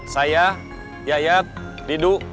saya yayat didu